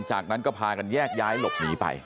จากนั้นก็พากันแยกย้ายหลบหนีไป